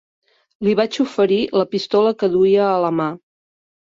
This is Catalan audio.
Li vaig oferir la pistola que duia a la mà.